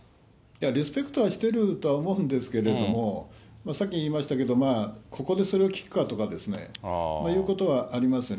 リスペクトはしてると思うんですけれども、さっき言いましたけれども、ここでそれを聞くか？とかですね、いうことはありますよね。